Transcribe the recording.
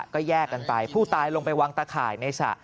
ก็แยกกันไปผู้ตายลงไปวางตะข่ายในสระ